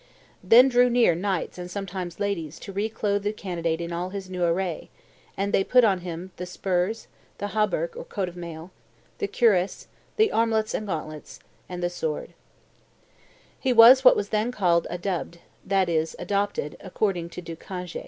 "Then drew near knights and sometimes ladies to reclothe the candidate in all his new array; and they put on him, 1, the spurs; 2, the hauberk or coat of mail; 3, the cuirass; 4, the armlets and gauntlets; 5, the sword. [Illustration: "The Accolade." 324] "He was what was then called adubbed (that is, adopted, according to Du Cange).